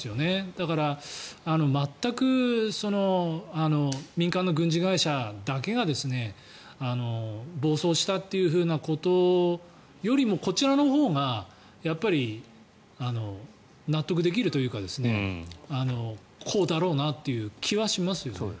だから全く民間の軍事会社だけが暴走したというふうなことよりもこちらのほうがやっぱり納得できるというかこうだろうなという気はします。